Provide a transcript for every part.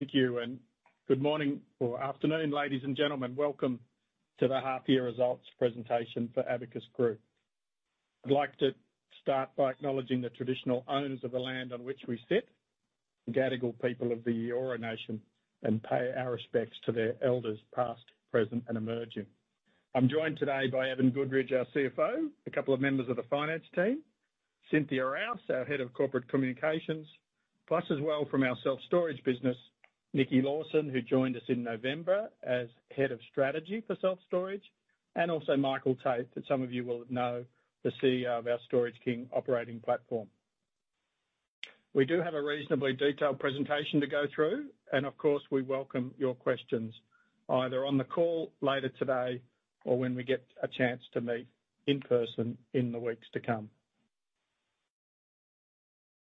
Thank you. Good morning or afternoon, ladies and gentlemen. Welcome to the half year results presentation for Abacus Group. I'd like to start by acknowledging the traditional owners of the land on which we sit, the Gadigal people of the Eora Nation, and pay our respects to their elders, past, present, and emerging. I'm joined today by Evan Goodridge, our CFO, a couple of members of the finance team, Cynthia Rouse, our Head of Corporate Communications, plus as well from our self-storage business, Nikki Lawson, who joined us in November as Head of Strategy for self-storage, and also Michael Tate, that some of you will know, the CEO of our Storage King operating platform. We do have a reasonably detailed presentation to go through. Of course, we welcome your questions, either on the call later today or when we get a chance to meet in person in the weeks to come.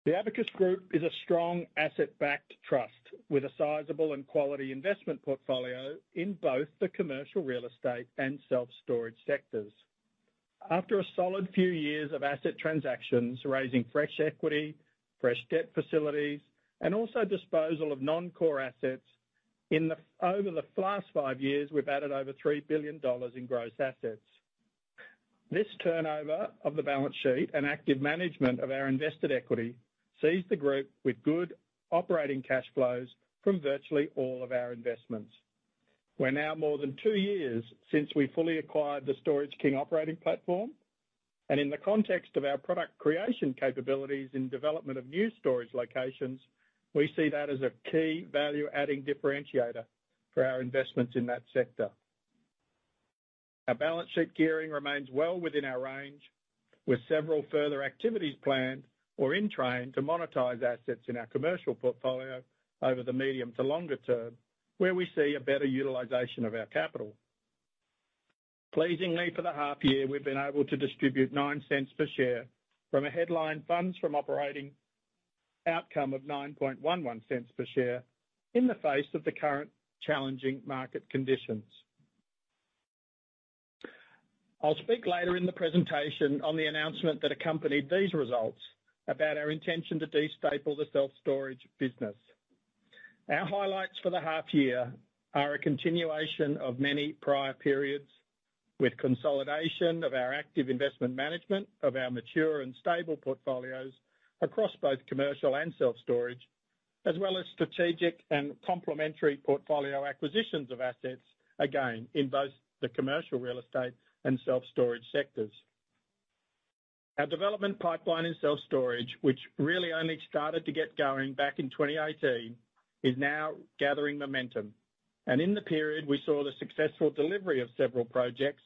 The Abacus Group is a strong asset-backed trust with a sizable and quality investment portfolio in both the commercial real estate and self-storage sectors. After a solid few years of asset transactions, raising fresh equity, fresh debt facilities, and also disposal of non-core assets, over the last five years, we've added over 3 billion dollars in gross assets. This turnover of the balance sheet and active management of our invested equity sees the group with good operating cash flows from virtually all of our investments. We're now more than two years since we fully acquired the Storage King operating platform, and in the context of our product creation capabilities in development of new storage locations, we see that as a key value-adding differentiator for our investments in that sector. Our balance sheet gearing remains well within our range, with several further activities planned or in train to monetize assets in our commercial portfolio over the medium to longer term, where we see a better utilization of our capital. Pleasingly for the half year, we've been able to distribute 0.09 per share from a headline funds from operating outcome of 0.0911 per share in the face of the current challenging market conditions. I'll speak later in the presentation on the announcement that accompanied these results about our intention to de-staple the self-storage business. Our highlights for the half year are a continuation of many prior periods with consolidation of our active investment management of our mature and stable portfolios across both commercial and self-storage, as well as strategic and complementary portfolio acquisitions of assets, again, in both the commercial real estate and self-storage sectors. Our development pipeline in self-storage, which really only started to get going back in 2018, is now gathering momentum. In the period, we saw the successful delivery of several projects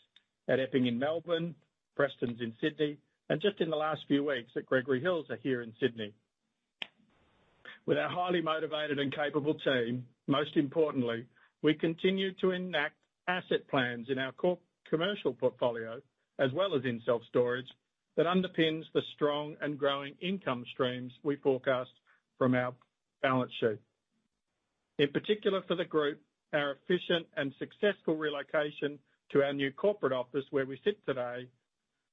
at Epping in Melbourne, Prestons in Sydney, and just in the last few weeks at Gregory Hills here in Sydney. With our highly motivated and capable team, most importantly, we continue to enact asset plans in our commercial portfolio, as well as in self-storage, that underpins the strong and growing income streams we forecast from our balance sheet. In particular for the group, our efficient and successful relocation to our new corporate office where we sit today,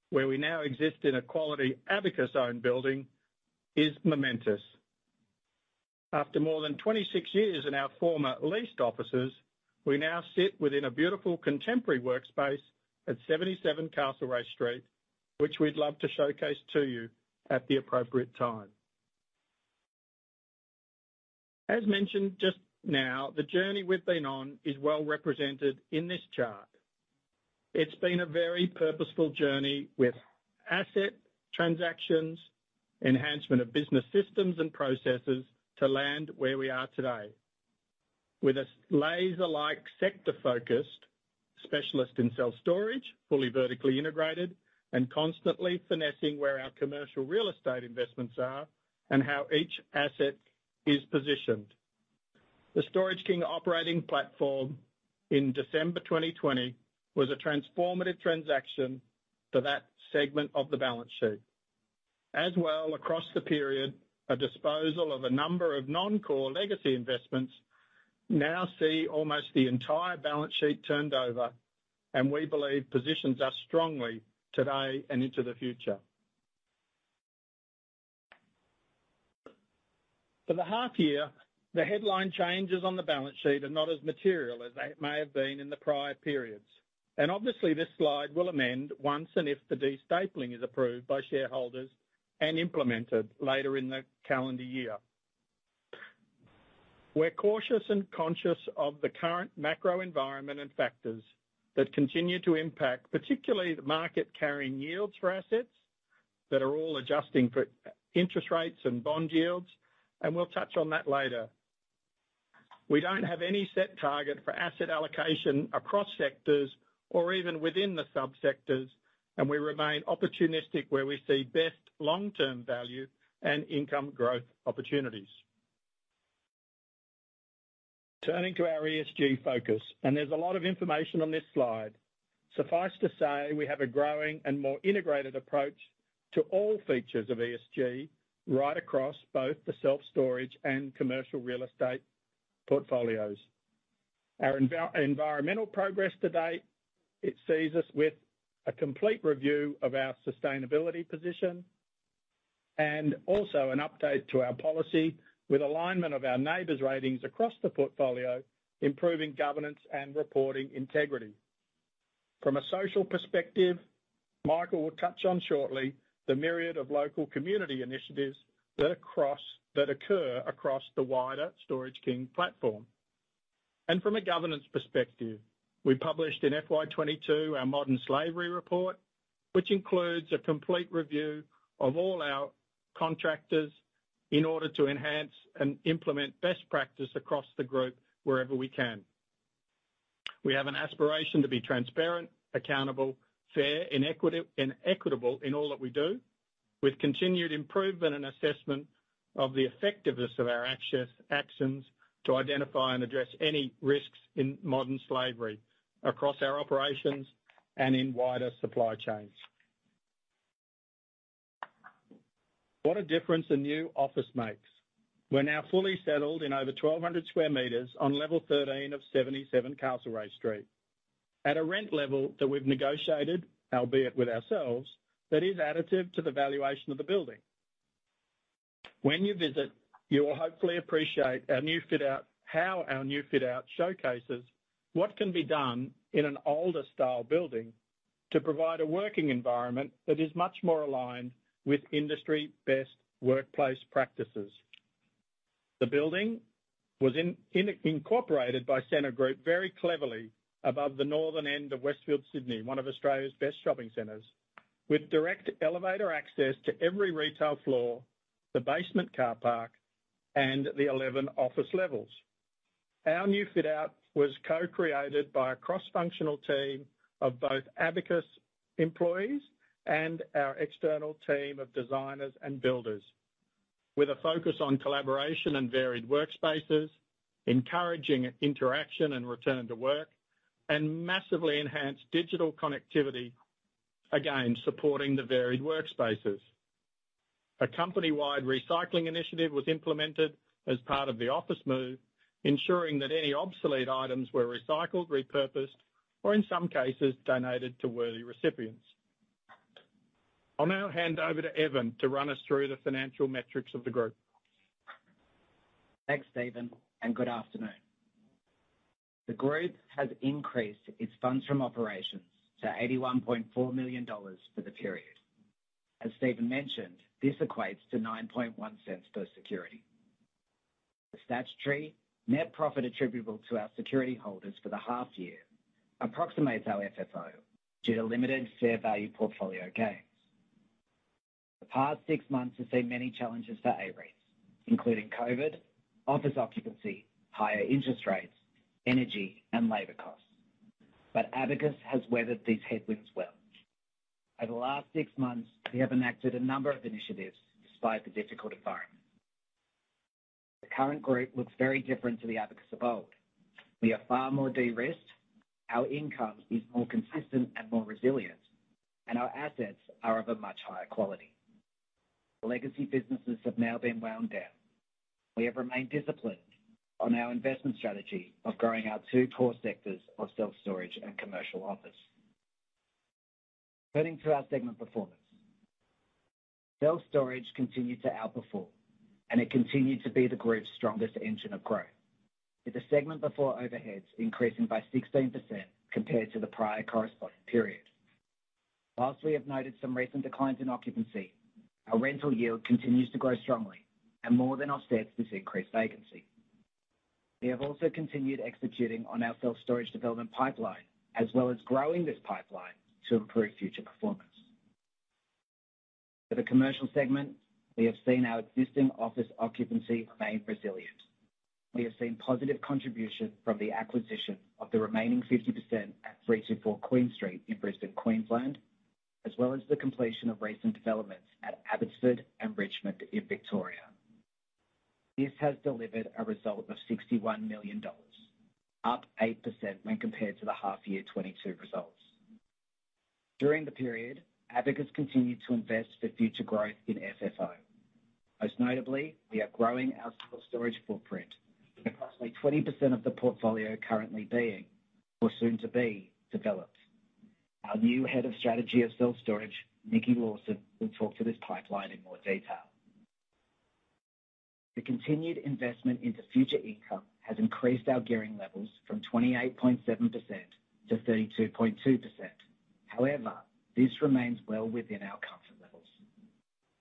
where we now exist in a quality Abacus-owned building, is momentous. After more than 26 years in our former leased offices, we now sit within a beautiful contemporary workspace at 77 Castlereagh Street, which we'd love to showcase to you at the appropriate time. Mentioned just now, the journey we've been on is well represented in this chart. It's been a very purposeful journey with asset transactions, enhancement of business systems and processes to land where we are today. A laser-like sector focused specialist in self-storage, fully vertically integrated, and constantly finessing where our commercial real estate investments are and how each asset is positioned. The Storage King operating platform in December 2020 was a transformative transaction to that segment of the balance sheet. Across the period, a disposal of a number of non-core legacy investments now see almost the entire balance sheet turned over, and we believe positions us strongly today and into the future. For the half year, the headline changes on the balance sheet are not as material as they may have been in the prior periods. Obviously, this slide will amend once and if the de-stapling is approved by shareholders and implemented later in the calendar year. We're cautious and conscious of the current macro environment and factors that continue to impact, particularly the market carrying yields for assets that are all adjusting for interest rates and bond yields. We'll touch on that later. We don't have any set target for asset allocation across sectors or even within the subsectors. We remain opportunistic where we see best long-term value and income growth opportunities. Turning to our ESG focus, there's a lot of information on this slide. Suffice to say, we have a growing and more integrated approach to all features of ESG right across both the self-storage and commercial real estate portfolios. Our environmental progress to date, it sees us with a complete review of our sustainability position. Also an update to our policy with alignment of our neighbors' ratings across the portfolio, improving governance and reporting integrity. From a social perspective, Michael will touch on shortly the myriad of local community initiatives that occur across the wider Storage King platform. From a governance perspective, we published in FY22 our modern slavery report, which includes a complete review of all our contractors in order to enhance and implement best practice across the group wherever we can. We have an aspiration to be transparent, accountable, fair, inequitable in all that we do, with continued improvement and assessment of the effectiveness of our actions to identify and address any risks in modern slavery across our operations and in wider supply chains. What a difference a new office makes. We're now fully settled in over 1,200 square meters on level 13 of 77 Castlereagh Street. At a rent level that we've negotiated, albeit with ourselves, that is additive to the valuation of the building. When you visit, you will hopefully appreciate how our new fit-out showcases what can be done in an older style building to provide a working environment that is much more aligned with industry best workplace practices. The building was incorporated by Scentre Group very cleverly above the northern end of Westfield, Sydney, one of Australia's best shopping centers, with direct elevator access to every retail floor, the basement car park, and the 11 office levels. Our new fit-out was co-created by a cross-functional team of both Abacus employees and our external team of designers and builders. With a focus on collaboration and varied workspaces, encouraging interaction and return to work, and massively enhanced digital connectivity, again, supporting the varied workspaces. A company-wide recycling initiative was implemented as part of the office move, ensuring that any obsolete items were recycled, repurposed, or in some cases, donated to worthy recipients. I'll now hand over to Evan to run us through the financial metrics of the group. Thanks, Steven, and good afternoon. The group has increased its funds from operations to 81.4 million dollars for the period. As Steven mentioned, this equates to 0.091 per security. The statutory net profit attributable to our security holders for the half year approximates our FFO due to limited fair value portfolio gains. The past six months have seen many challenges for AREIT, including COVID, office occupancy, higher interest rates, energy, and labor costs. Abacus has weathered these headwinds well. Over the last six months, we have enacted a number of initiatives despite the difficult environment. The current group looks very different to the Abacus of old. We are far more de-risked, our income is more consistent and more resilient, and our assets are of a much higher quality. Legacy businesses have now been wound down. We have remained disciplined on our investment strategy of growing our two core sectors of self-storage and commercial office. Turning to our segment performance. Self-storage continued to outperform, it continued to be the group's strongest engine of growth, with the segment before overheads increasing by 16% compared to the prior corresponding period. Whilst we have noted some recent declines in occupancy, our rental yield continues to grow strongly and more than offsets this increased vacancy. We have also continued executing on our self-storage development pipeline, as well as growing this pipeline to improve future performance. For the commercial segment, we have seen our existing office occupancy remain resilient. We have seen positive contribution from the acquisition of the remaining 50% at 324 Queen Street in Brisbane, Queensland, as well as the completion of recent developments at Abbotsford and Richmond in Victoria. This has delivered a result of 61 million dollars, up 8% when compared to the half year 2022 results. During the period, Abacus continued to invest for future growth in FFO. Most notably, we are growing our self-storage footprint, with approximately 20% of the portfolio currently being or soon to be developed. Our new head of strategy of self-storage, Nikki Lawson, will talk to this pipeline in more detail. The continued investment into future income has increased our gearing levels from 28.7%-32.2%. This remains well within our comfort levels.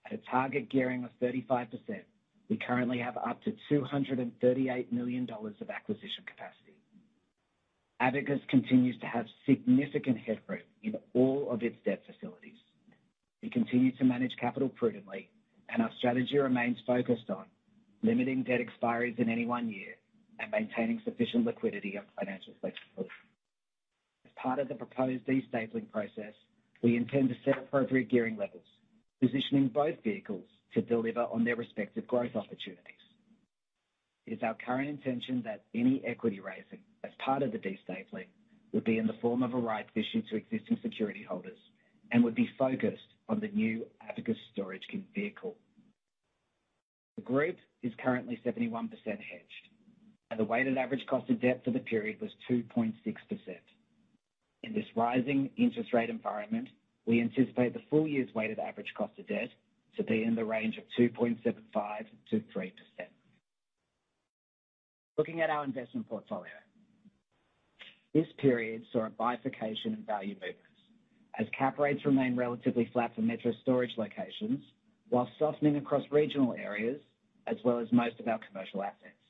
At a target gearing of 35%, we currently have up to 238 million dollars of acquisition capacity. Abacus continues to have significant headroom in all of its debt facilities. We continue to manage capital prudently, and our strategy remains focused on limiting debt expiries in any one year and maintaining sufficient liquidity and financial flexibility. As part of the proposed de-stapling process, we intend to set appropriate gearing levels, positioning both vehicles to deliver on their respective growth opportunities. It is our current intention that any equity raising as part of the de-stapling would be in the form of a rights issue to existing security holders and would be focused on the new Abacus Storage King vehicle. The group is currently 71% hedged, and the weighted average cost of debt for the period was 2.6%. In this rising interest rate environment, we anticipate the full year's weighted average cost of debt to be in the range of 2.75%-3%. Looking at our investment portfolio. This period saw a bifurcation in value movements as cap rates remain relatively flat for metro storage locations while softening across regional areas as well as most of our commercial assets.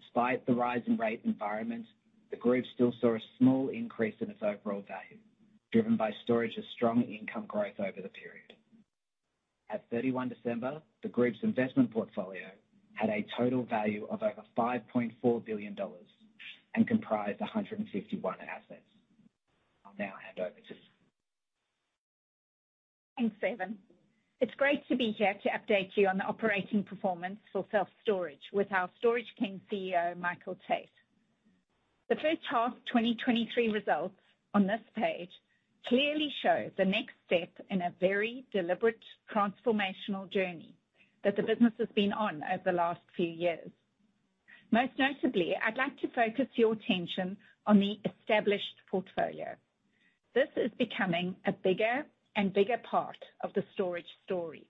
Despite the rise in rate environment, the group still saw a small increase in its overall value, driven by Storage of strong income growth over the period. At 31 December, the group's investment portfolio had a total value of over 5.4 billion dollars and comprised 151 assets. I'll now hand over to Thanks, Evan. It's great to be here to update you on the operating performance for self-storage with our Storage King CEO, Michael Tate. The first half 2023 results on this page clearly show the next step in a very deliberate, transformational journey that the business has been on over the last few years. Most notably, I'd like to focus your attention on the established portfolio. This is becoming a bigger and bigger part of the storage story.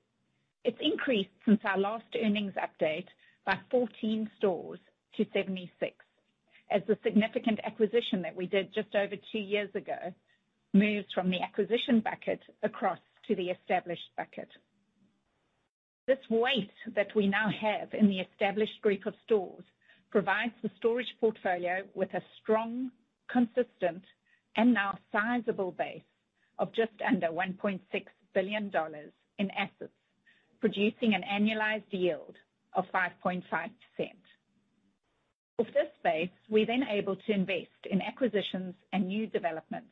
It's increased since our last earnings update by 14 stores to 76. As the significant acquisition that we did just over two years ago moves from the acquisition bucket across to the established bucket. This weight that we now have in the established group of stores provides the storage portfolio with a strong, consistent, and now sizable base of just under 1.6 billion dollars in assets, producing an annualized yield of 5.5%. With this base, we're then able to invest in acquisitions and new developments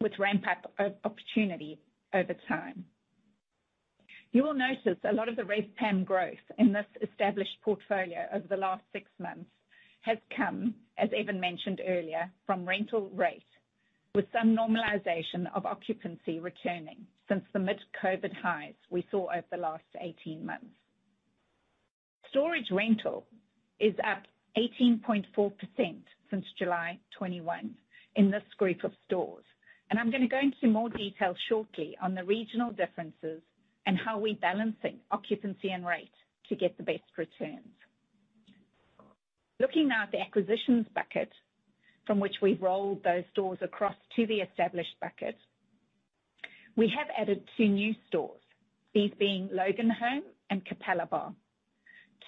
with ramp up opportunity over time. You will notice a lot of the RevPAR growth in this established portfolio over the last six months has come, as Evan mentioned earlier, from rental rate, with some normalization of occupancy returning since the mid-COVID highs we saw over the last 18 months. Storage rental is up 18.4% since July 2021 in this group of stores. I'm gonna go into more detail shortly on the regional differences and how we're balancing occupancy and rate to get the best returns. Looking now at the acquisitions bucket from which we've rolled those stores across to the established bucket, we have added two new stores, these being Loganholme and Capalaba.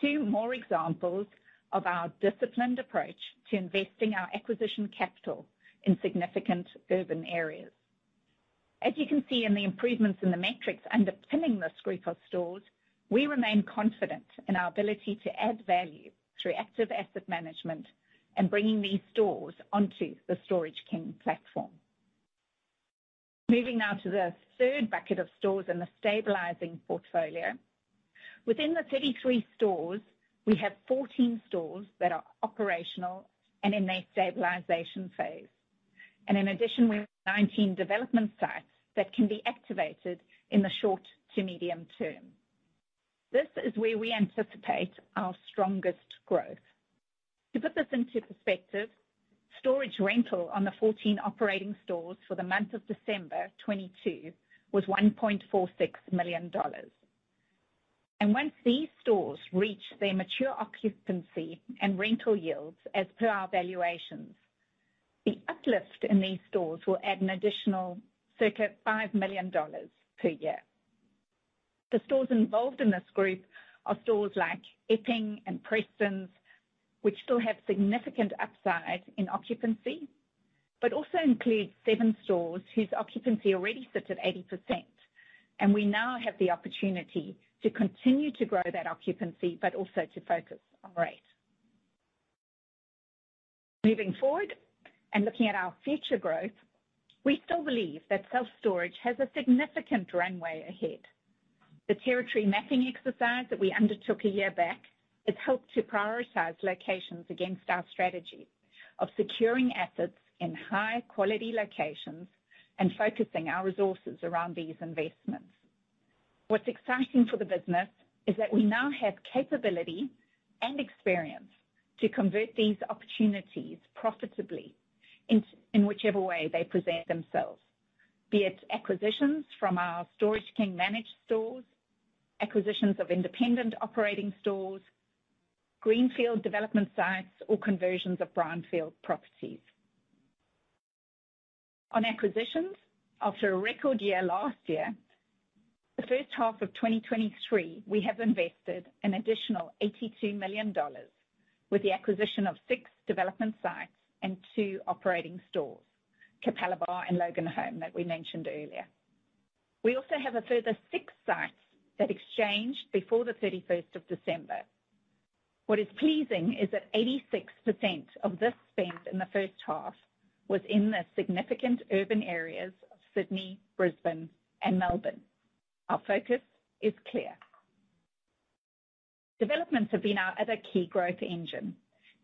Two more examples of our disciplined approach to investing our acquisition capital in significant urban areas. As you can see in the improvements in the metrics underpinning this group of stores, we remain confident in our ability to add value through active asset management and bringing these stores onto the Storage King platform. Moving now to the third bucket of stores in the stabilizing portfolio. Within the 33 stores, we have 14 stores that are operational and in their stabilization phase. In addition, we have 19 development sites that can be activated in the short to medium term. This is where we anticipate our strongest growth. To put this into perspective, storage rental on the 14 operating stores for the month of December 2022 was 1.46 million dollars. Once these stores reach their mature occupancy and rental yields as per our valuations, the uplift in these stores will add an additional circa 5 million dollars per year. The stores involved in this group are stores like Epping and Prestons, which still have significant upside in occupancy, but also includes seven stores whose occupancy already sits at 80%, and we now have the opportunity to continue to grow that occupancy, but also to focus on rate. Moving forward and looking at our future growth, we still believe that self-storage has a significant runway ahead. The territory mapping exercise that we undertook a year back has helped to prioritize locations against our strategy of securing assets in high-quality locations and focusing our resources around these investments. What's exciting for the business is that we now have capability and experience to convert these opportunities profitably in whichever way they present themselves, be it acquisitions from our Storage King managed stores, acquisitions of independent operating stores, greenfield development sites, or conversions of brownfield properties. On acquisitions, after a record year last year, the first half of 2023, we have invested an additional 82 million dollars with the acquisition of six development sites and two operating stores, Capalaba and Loganholme that we mentioned earlier. We also have a further six sites that exchanged before the 31st of December. What is pleasing is that 86% of this spend in the first half was in the significant urban areas of Sydney, Brisbane, and Melbourne. Our focus is clear. Developments have been our other key growth engine.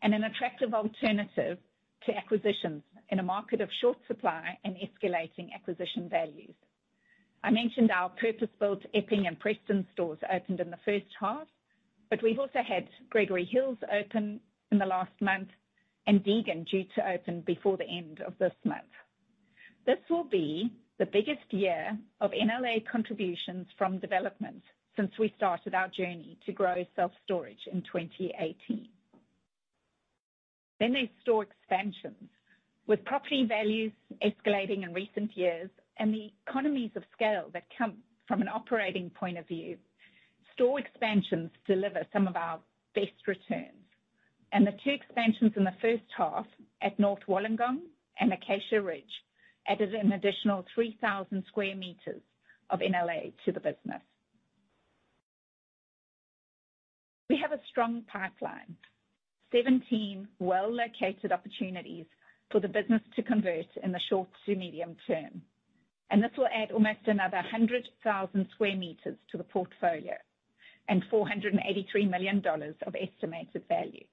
An attractive alternative to acquisitions in a market of short supply and escalating acquisition values. I mentioned our purpose-built Epping and Preston stores opened in the first half, but we've also had Gregory Hills open in the last month and Durack due to open before the end of this month. This will be the biggest year of NLA contributions from developments since we started our journey to grow self-storage in 2018. There's store expansions. With property values escalating in recent years and the economies of scale that come from an operating point of view, store expansions deliver some of our best returns. The two expansions in the first half at North Wollongong and Acacia Ridge added an additional 3,000 square meters of NLA to the business. We have a strong pipeline, 17 well-located opportunities for the business to convert in the short to medium term. This will add almost another 100,000 square meters to the portfolio and 483 million dollars of estimated value.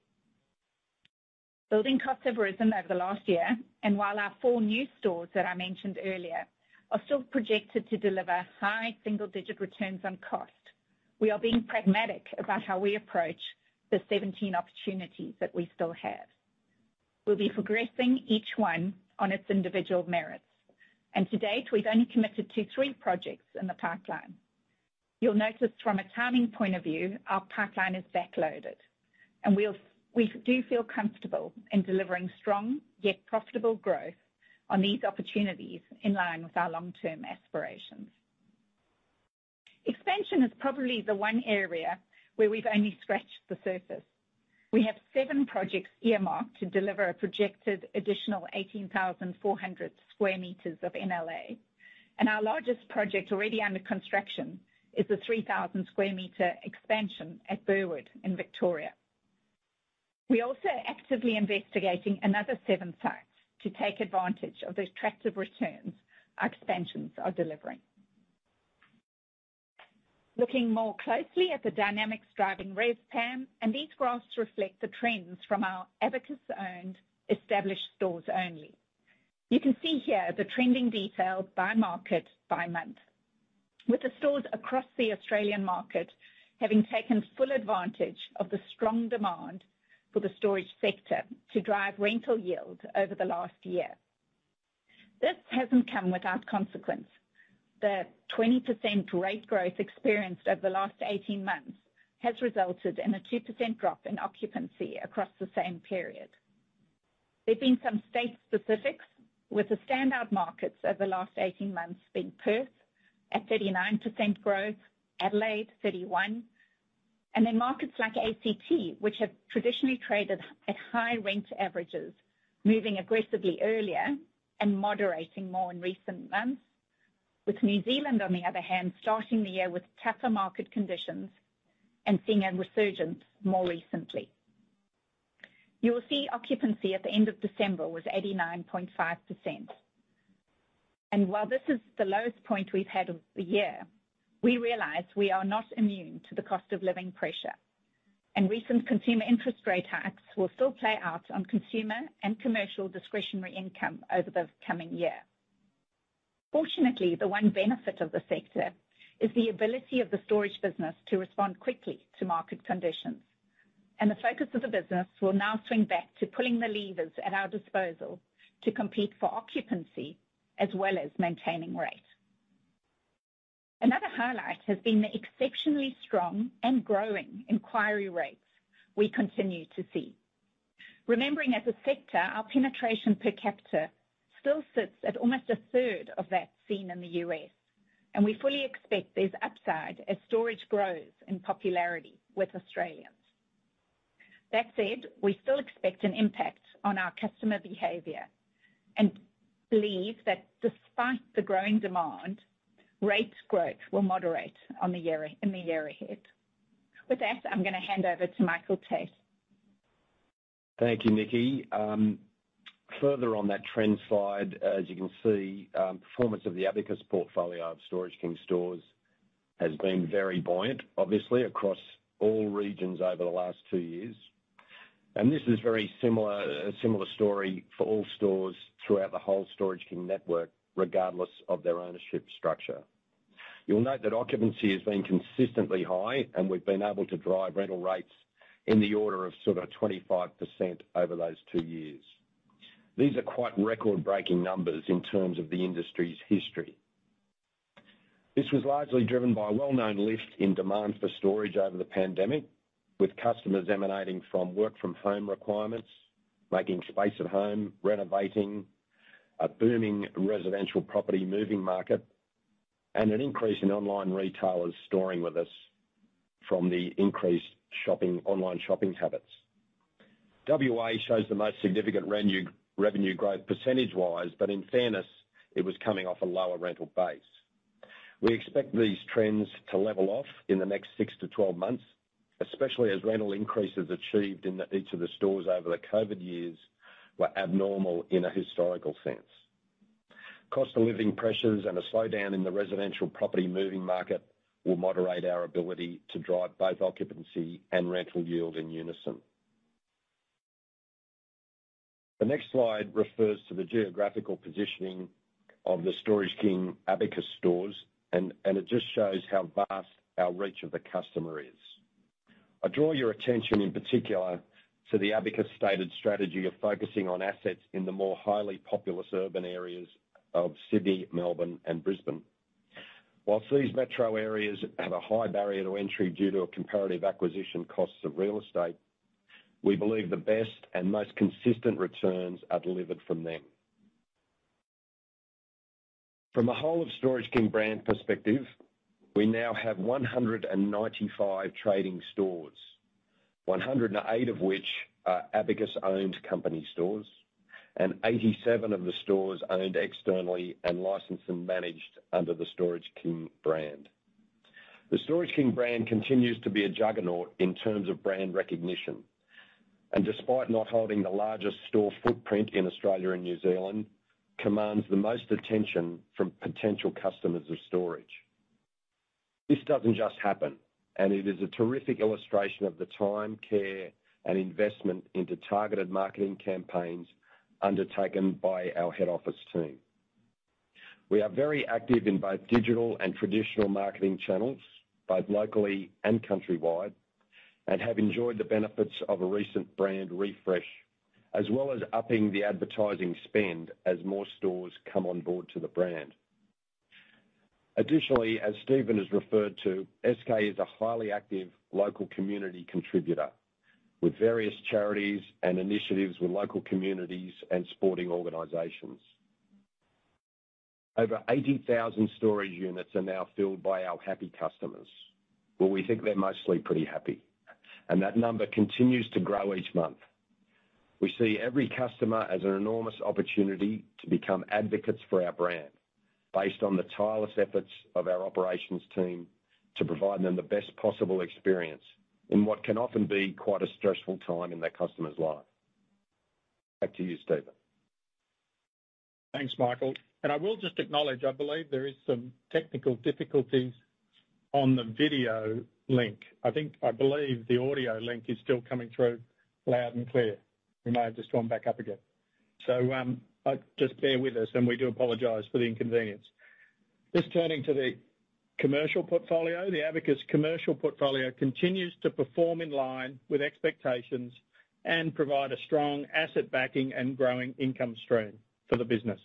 Building costs have risen over the last year. While our four new stores that I mentioned earlier are still projected to deliver high single-digit returns on cost, we are being pragmatic about how we approach the 17 opportunities that we still have. We'll be progressing each one on its individual merits. To date, we've only committed to three projects in the pipeline. You'll notice from a timing point of view, our pipeline is backloaded. We do feel comfortable in delivering strong yet profitable growth on these opportunities in line with our long-term aspirations. Expansion is probably the one area where we've only scratched the surface. We have seven projects earmarked to deliver a projected additional 18,400 square meters of NLA. Our largest project already under construction is the 3,000 square meter expansion at Burwood in Victoria. We also are actively investigating another seven sites to take advantage of those attractive returns our expansions are delivering. Looking more closely at the dynamics driving RevPAR, these graphs reflect the trends from our Abacus-owned established stores only. You can see here the trending details by market by month, with the stores across the Australian market having taken full advantage of the strong demand for the storage sector to drive rental yield over the last year. This hasn't come without consequence. The 20% rate growth experienced over the last 18 months has resulted in a 2% drop in occupancy across the same period. There's been some state specifics with the standout markets over the last 18 months being Perth at 39% growth, Adelaide 31%, and then markets like ACT, which have traditionally traded at high rent averages, moving aggressively earlier and moderating more in recent months. With New Zealand, on the other hand, starting the year with tougher market conditions and seeing a resurgence more recently. You will see occupancy at the end of December was 89.5%. While this is the lowest point we've had of the year, we realize we are not immune to the cost of living pressure, and recent consumer interest rate hikes will still play out on consumer and commercial discretionary income over the coming year. Fortunately, the one benefit of the sector is the ability of the storage business to respond quickly to market conditions, and the focus of the business will now swing back to pulling the levers at our disposal to compete for occupancy as well as maintaining rate. Another highlight has been the exceptionally strong and growing inquiry rates we continue to see. Remembering as a sector, our penetration per capita still sits at almost a third of that seen in the U.S., and we fully expect there's upside as storage grows in popularity with Australians. We still expect an impact on our customer behavior and believe that despite the growing demand, rates growth will moderate in the year ahead. With that, I'm gonna hand over to Michael Tate. Thank you, Nikki. Further on that trend slide, as you can see, performance of the Abacus portfolio of Storage King stores has been very buoyant, obviously across all regions over the last two years. This is very similar, a similar story for all stores throughout the whole Storage King network, regardless of their ownership structure. You'll note that occupancy has been consistently high, and we've been able to drive rental rates in the order of sort of 25% over those two years. These are quite record-breaking numbers in terms of the industry's history. This was largely driven by a well-known lift in demand for storage over the pandemic, with customers emanating from work from home requirements, making space at home, renovating, a booming residential property moving market, and an increase in online retailers storing with us from the increased shopping, online shopping habits. WA shows the most significant revenue growth percentage-wise, in fairness, it was coming off a lower rental base. We expect these trends to level off in the next six to 12 months, especially as rental increases achieved in each of the stores over the COVID years were abnormal in a historical sense. Cost of living pressures and a slowdown in the residential property moving market will moderate our ability to drive both occupancy and rental yield in unison. The next slide refers to the geographical positioning of the Storage King Abacus stores, and it just shows how vast our reach of the customer is. I draw your attention in particular to the Abacus stated strategy of focusing on assets in the more highly populous urban areas of Sydney, Melbourne, and Brisbane. Whilst these metro areas have a high barrier to entry due to a comparative acquisition costs of real estate, we believe the best and most consistent returns are delivered from them. From a whole of Storage King brand perspective, we now have 195 trading stores, 108 of which are Abacus-owned company stores, and 87 of the stores owned externally and licensed and managed under the Storage King brand. The Storage King brand continues to be a juggernaut in terms of brand recognition, and despite not holding the largest store footprint in Australia and New Zealand, commands the most attention from potential customers of storage. This doesn't just happen, and it is a terrific illustration of the time, care, and investment into targeted marketing campaigns undertaken by our head office team. We are very active in both digital and traditional marketing channels, both locally and countrywide, and have enjoyed the benefits of a recent brand refresh, as well as upping the advertising spend as more stores come on board to the brand. Additionally, as Steven has referred to, SK is a highly active local community contributor with various charities and initiatives with local communities and sporting organizations. Over 80,000 storage units are now filled by our happy customers. Well, we think they're mostly pretty happy, and that number continues to grow each month. We see every customer as an enormous opportunity to become advocates for our brand based on the tireless efforts of our operations team to provide them the best possible experience in what can often be quite a stressful time in their customer's life. Back to you, Steven. Thanks, Michael. I will just acknowledge, I believe there is some technical difficulties on the video link. I believe the audio link is still coming through loud and clear. We may have just gone back up again. Just bear with us, and we do apologize for the inconvenience. Just turning to the commercial portfolio. The Abacus commercial portfolio continues to perform in line with expectations and provide a strong asset backing and growing income stream for the business.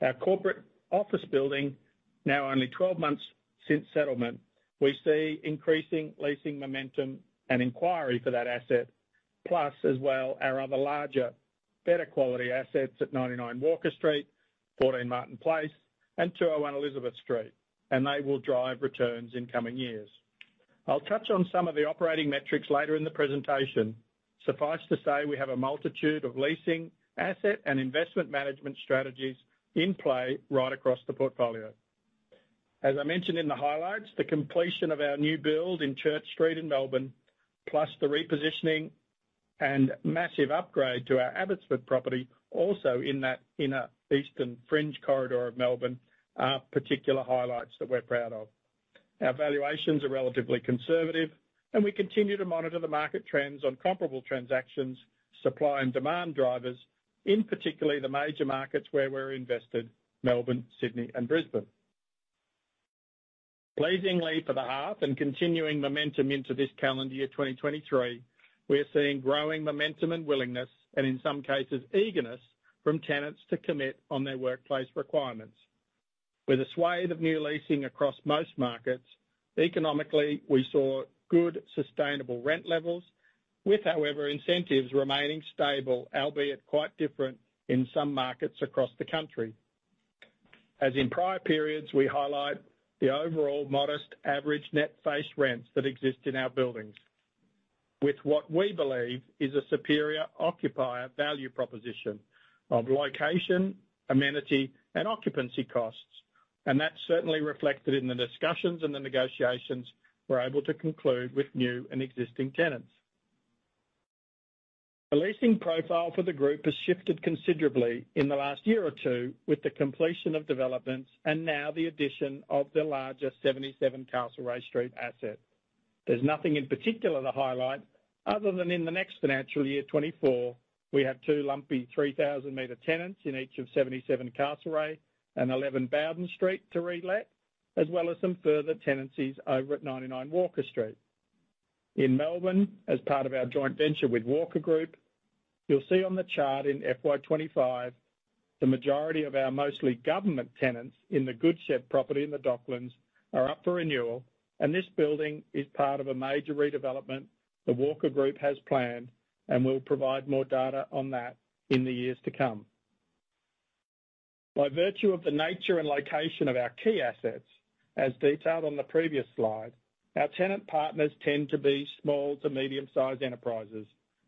Our corporate office building, now only 12 months since settlement, we see increasing leasing momentum and inquiry for that asset, plus as well our other larger, better quality assets at 99 Walker Street, 14 Martin Place, and 201 Elizabeth Street, they will drive returns in coming years. I'll touch on some of the operating metrics later in the presentation. Suffice to say, we have a multitude of leasing, asset, and investment management strategies in play right across the portfolio. As I mentioned in the highlights, the completion of our new build in Church Street in Melbourne, plus the repositioning and massive upgrade to our Abbotsford property, also in that inner eastern fringe corridor of Melbourne, are particular highlights that we're proud of. Our valuations are relatively conservative, and we continue to monitor the market trends on comparable transactions, supply and demand drivers, in particularly the major markets where we're invested, Melbourne, Sydney, and Brisbane. Pleasingly for the half and continuing momentum into this calendar year, 2023, we are seeing growing momentum and willingness, and in some cases, eagerness from tenants to commit on their workplace requirements. With a swathe of new leasing across most markets, economically, we saw good, sustainable rent levels with, however, incentives remaining stable, albeit quite different in some markets across the country. As in prior periods, we highlight the overall modest average net face rents that exist in our buildings. With what we believe is a superior occupier value proposition of location, amenity, and occupancy costs. That's certainly reflected in the discussions and the negotiations we're able to conclude with new and existing tenants. The leasing profile for the group has shifted considerably in the last year or two with the completion of developments and now the addition of the larger 77 Castlereagh Street asset. There's nothing in particular to highlight other than in the next financial year, 2024, we have two lumpy 3,000 meter tenants in each of 77 Castlereagh Street and 11 Bowden Street to relet, as well as some further tenancies over at 99 Walker Street. In Melbourne, as part of our joint venture with Walker Corporation, you'll see on the chart in FY 2025, the majority of our mostly government tenants in the Goodshed property in the Docklands are up for renewal. This building is part of a major redevelopment that Walker Corporation has planned and will provide more data on that in the years to come. By virtue of the nature and location of our key assets, as detailed on the previous slide, our tenant partners tend to be small to medium-sized enterprises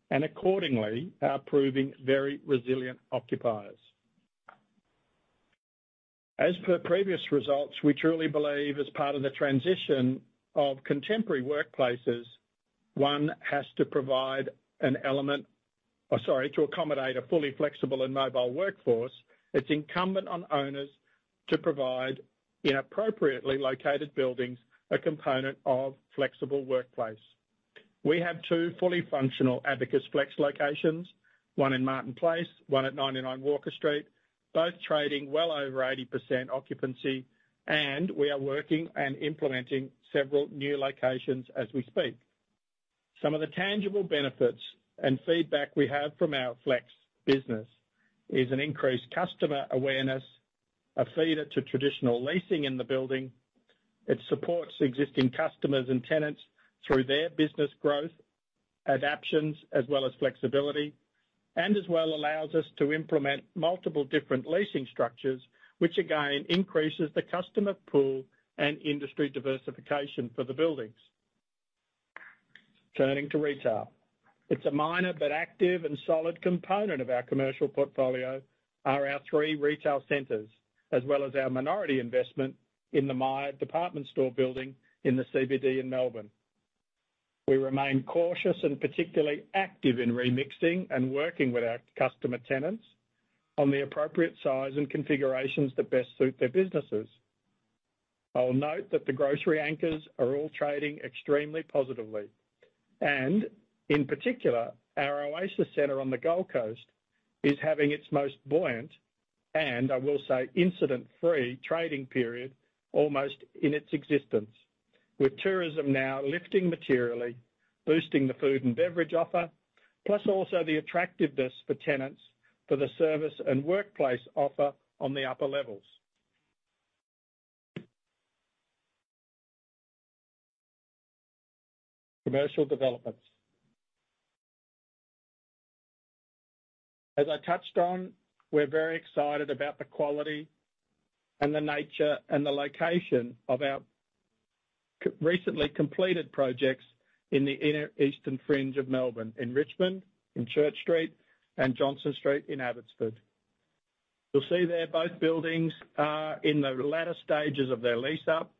and accordingly are proving very resilient occupiers. As per previous results, we truly believe as part of the transition of contemporary workplaces, to accommodate a fully flexible and mobile workforce. It's incumbent on owners to provide in appropriately located buildings, a component of flexible workplace. We have two fully functional Abacus Flex locations, one in Martin Place, one at 99 Walker Street, both trading well over 80% occupancy. We are working and implementing several new locations as we speak. Some of the tangible benefits and feedback we have from our Flex business is an increased customer awareness, a feeder to traditional leasing in the building. It supports existing customers and tenants through their business growth, adaptations, as well as flexibility. As well allows us to implement multiple different leasing structures, which again increases the customer pool and industry diversification for the buildings. Turning to retail. It's a minor but active and solid component of our commercial portfolio are our three retail centers, as well as our minority investment in the Myer department store building in the CBD in Melbourne. We remain cautious and particularly active in remixing and working with our customer tenants on the appropriate size and configurations that best suit their businesses. I will note that the grocery anchors are all trading extremely positively. In particular, our Oasis Centre on the Gold Coast is having its most buoyant, and I will say, incident-free trading period almost in its existence, with tourism now lifting materially, boosting the food and beverage offer, plus also the attractiveness for tenants for the service and workplace offer on the upper levels. Commercial developments. As I touched on, we're very excited about the quality and the nature and the location of our recently completed projects in the inner eastern fringe of Melbourne, in Richmond, in Church Street, and Johnston Street in Abbotsford. You'll see there both buildings are in the latter stages of their lease-up.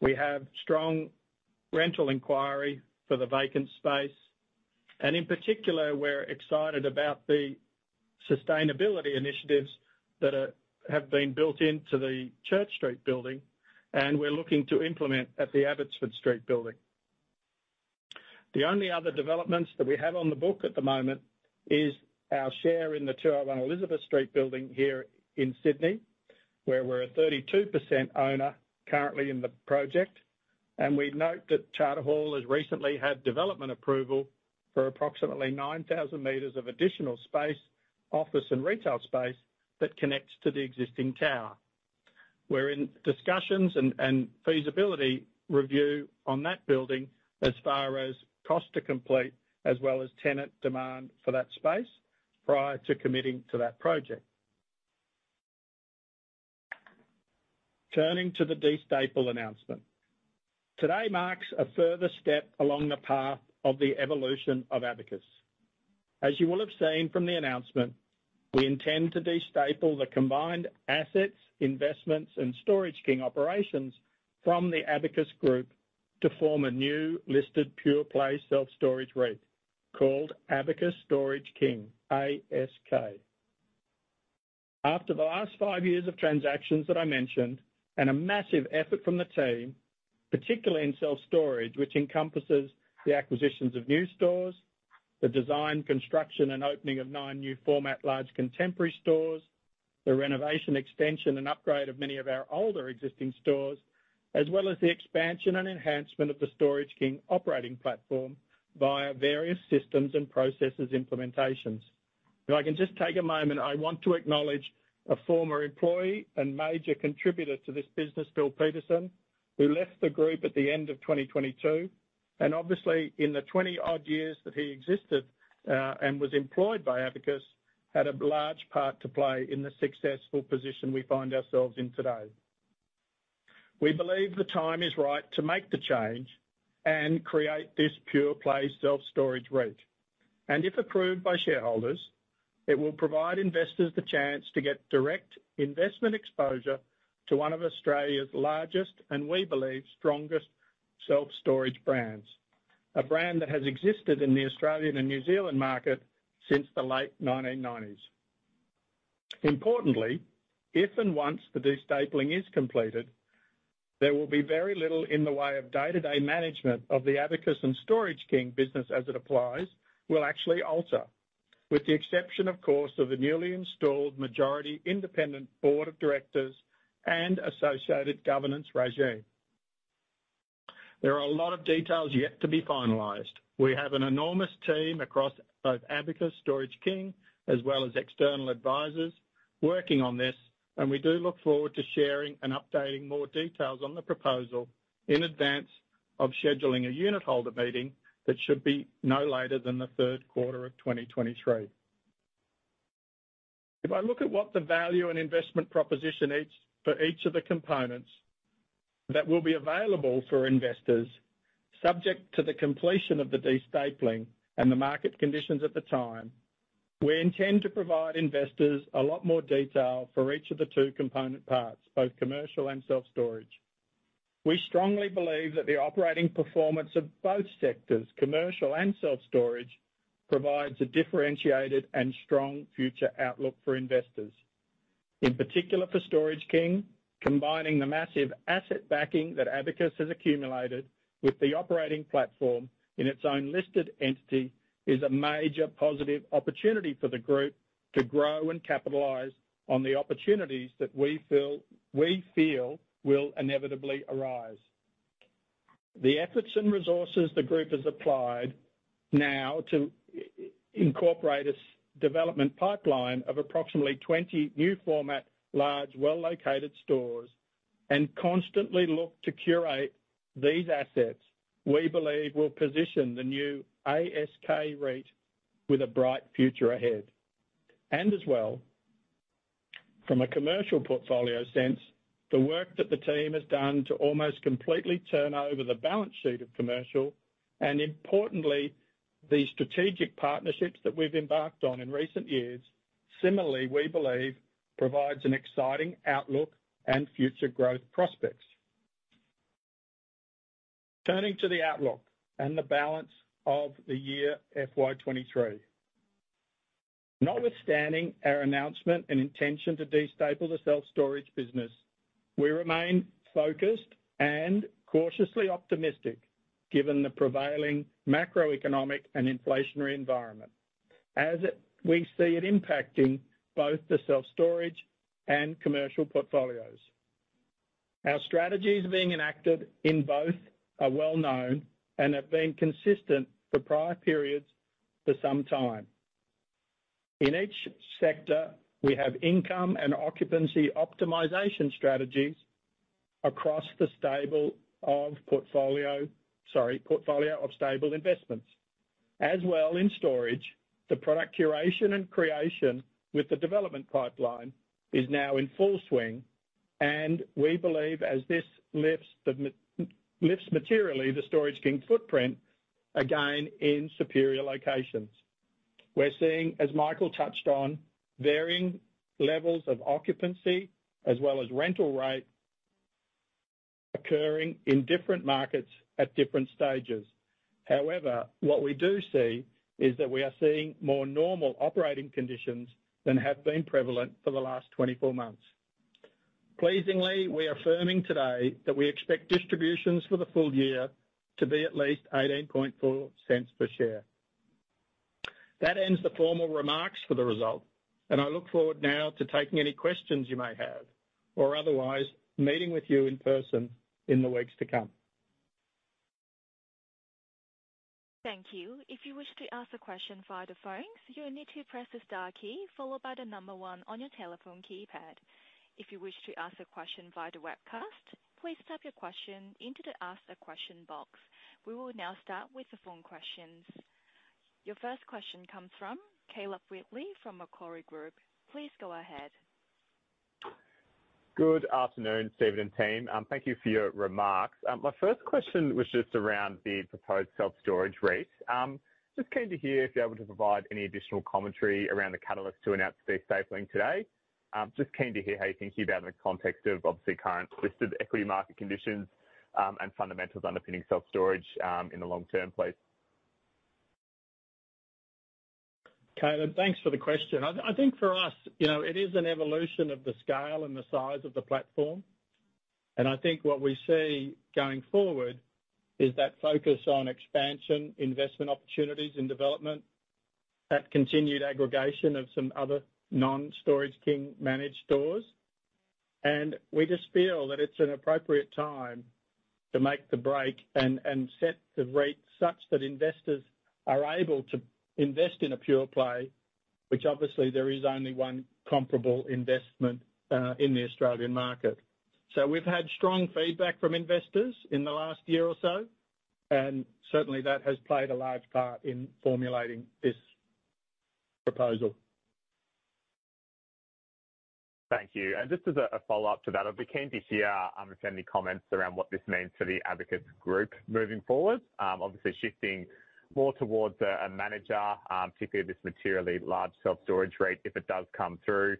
We have strong rental inquiry for the vacant space, and in particular, we're excited about the sustainability initiatives that have been built into the Church Street building, and we're looking to implement at the Abbotsford Street building. The only other developments that we have on the book at the moment is our share in the 201 Elizabeth Street building here in Sydney, where we're a 32% owner currently in the project. We note that Charter Hall has recently had development approval for approximately 9,000 meters of additional space, office and retail space that connects to the existing tower. We're in discussions and feasibility review on that building as far as cost to complete as well as tenant demand for that space prior to committing to that project. Turning to the de-staple announcement. Today marks a further step along the path of the evolution of Abacus. As you will have seen from the announcement, we intend to de-staple the combined assets, investments, and Storage King operations from the Abacus Group to form a new listed pure-play self-storage REIT called Abacus Storage King, ASK. After the last five years of transactions that I mentioned and a massive effort from the team, particularly in self-storage, which encompasses the acquisitions of new stores, the design, construction, and opening of nine new format, large contemporary stores, the renovation extension, and upgrade of many of our older existing stores, as well as the expansion and enhancement of the Storage King operating platform via various systems and processes implementations. If I can just take a moment, I want to acknowledge a former employee and major contributor to this business, Bill Peterson, who left the group at the end of 2022, and obviously, in the 20-odd years that he existed, and was employed by Abacus, had a large part to play in the successful position we find ourselves in today. We believe the time is right to make the change and create this pure-play self-storage REIT. If approved by shareholders, it will provide investors the chance to get direct investment exposure to one of Australia's largest, and we believe, strongest self-storage brands. A brand that has existed in the Australian and New Zealand market since the late 1990s. Importantly, if and once the de-stapling is completed, there will be very little in the way of day-to-day management of the Abacus and Storage King business as it applies, will actually alter. With the exception, of course, of the newly installed majority independent board of directors and associated governance regime. There are a lot of details yet to be finalized. We have an enormous team across both Abacus, Storage King, as well as external advisors working on this. We do look forward to sharing and updating more details on the proposal in advance of scheduling a unitholder meeting that should be no later than the Q3 of 2023. If I look at what the value and investment proposition for each of the components that will be available for investors, subject to the completion of the de-stapling and the market conditions at the time. We intend to provide investors a lot more detail for each of the two component parts, both commercial and self-storage. We strongly believe that the operating performance of both sectors, commercial and self-storage, provides a differentiated and strong future outlook for investors. In particular for Storage King, combining the massive asset backing that Abacus has accumulated with the operating platform in its own listed entity is a major positive opportunity for the group to grow and capitalize on the opportunities that we feel will inevitably arise. The efforts and resources the group has applied now to incorporate its development pipeline of approximately 20 new format, large, well-located stores, and constantly look to curate these assets we believe will position the new ASK REIT with a bright future ahead. As well, from a commercial portfolio sense, the work that the team has done to almost completely turn over the balance sheet of commercial, and importantly, the strategic partnerships that we've embarked on in recent years, similarly, we believe provides an exciting outlook and future growth prospects. Turning to the outlook and the balance of the year FY23. Notwithstanding our announcement and intention to de-staple the self-storage business, we remain focused and cautiously optimistic given the prevailing macroeconomic and inflationary environment, as we see it impacting both the self-storage and commercial portfolios. Our strategies being enacted in both are well-known and have been consistent for prior periods for some time. In each sector, we have income and occupancy optimization strategies across the portfolio of stable investments. As well, in storage, the product curation and creation with the development pipeline is now in full swing, and we believe as this lifts materially, the Storage King footprint, again in superior locations. We're seeing, as Michael touched on, varying levels of occupancy as well as rental rate occurring in different markets at different stages. What we do see is that we are seeing more normal operating conditions than have been prevalent for the last 24 months. Pleasingly, we are affirming today that we expect distributions for the full year to be at least 0.184 per share. That ends the formal remarks for the result. I look forward now to taking any questions you may have, or otherwise, meeting with you in person in the weeks to come. Thank you. If you wish to ask a question via the phone, you will need to press the star key followed by the one on your telephone keypad. If you wish to ask a question via the webcast, please type your question into the ask a question box. We will now start with the phone questions. Your first question comes from Caleb Wheatley from Macquarie Group. Please go ahead. Good afternoon, Steven and team. Thank you for your remarks. My first question was just around the proposed self-storage rate. Just keen to hear if you're able to provide any additional commentary around the catalyst to announce the de-stapling today. Just keen to hear how you think about it in the context of, obviously, current listed equity market conditions, and fundamentals underpinning self-storage, in the long term, please. Caleb, thanks for the question. I think for us, you know, it is an evolution of the scale and the size of the platform. I think what we see going forward is that focus on expansion, investment opportunities and development, that continued aggregation of some other non-Storage King managed stores. We just feel that it's an appropriate time to make the break and set the rate such that investors are able to invest in a pure play, which obviously there is only one comparable investment in the Australian market. We've had strong feedback from investors in the last year or so, and certainly that has played a large part in formulating this proposal. Thank you. Just as a follow-up to that, I'd be keen to hear, if any comments around what this means for the Abacus Group moving forward. Obviously shifting more towards a manager, particularly this materially large self-storage REIT if it does come through.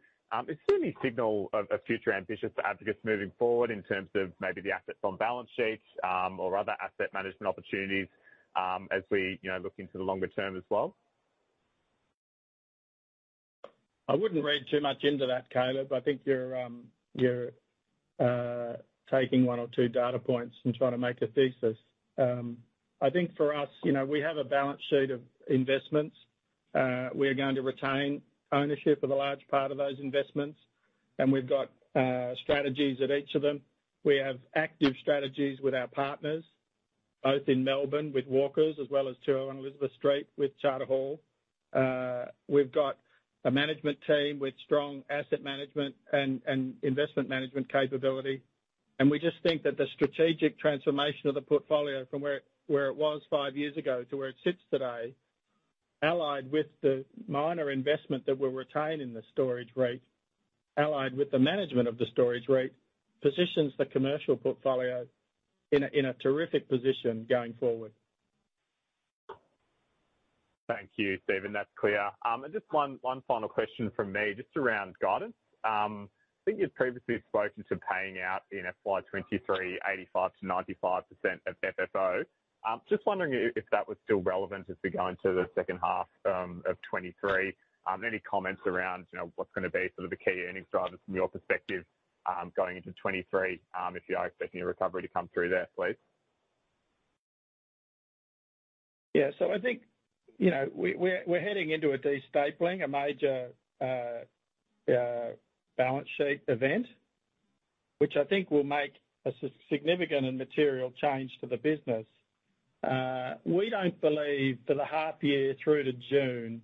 Is there any signal of future ambitions for Abacus moving forward in terms of maybe the assets on balance sheets, or other asset management opportunities, as we, you know, look into the longer term as well? I wouldn't read too much into that, Caleb. I think you're taking one or two data points and trying to make a thesis. I think for us, you know, we have a balance sheet of investments. We are going to retain ownership of a large part of those investments, and we've got strategies at each of them. We have active strategies with our partners, both in Melbourne with Walkers as well as 201 Elizabeth Street with Charter Hall. We've got a management team with strong asset management and investment management capability. We just think that the strategic transformation of the portfolio from where it was five years ago to where it sits today, allied with the minor investment that we're retaining the storage REIT. Allied with the management of the storage REIT positions the commercial portfolio in a terrific position going forward. Thank you, Steven. That's clear. Just one final question from me, just around guidance. I think you'd previously spoken to paying out in FY 2023, 85%-95% of FFO. Just wondering if that was still relevant as we go into the second half of 23. Any comments around, you know, what's gonna be sort of the key earnings drivers from your perspective, going into 23, if you are expecting a recovery to come through there, please. Yeah. I think, you know, we're heading into a de-stapling, a major balance sheet event, which I think will make a significant and material change to the business. We don't believe for the half year through to June,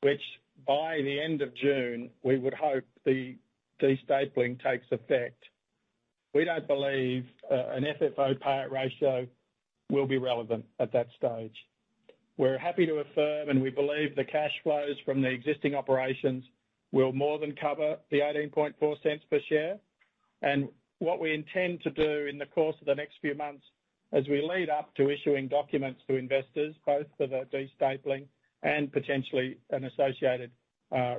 which by the end of June, we would hope the de-stapling takes effect. We don't believe an FFO payout ratio will be relevant at that stage. We're happy to affirm, we believe the cash flows from the existing operations will more than cover the 0.184 per share. What we intend to do in the course of the next few months as we lead up to issuing documents to investors, both for the de-stapling and potentially an associated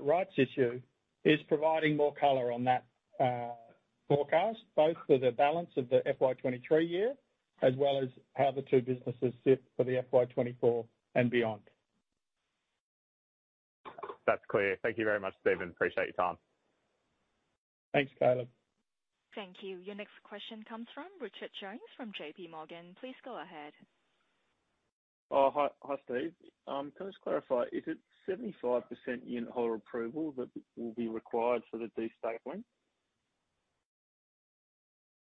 rights issue, is providing more color on that forecast, both for the balance of the FY 2023 year as well as how the two businesses sit for the FY 2024 and beyond. That's clear. Thank you very much, Steven. Appreciate your time. Thanks, Caleb. Thank you. Your next question comes from Richard Jones from JPMorgan. Please go ahead. Oh, hi. Hi, Steve. Can I just clarify, is it 75% shareholder approval that will be required for the de-stapling?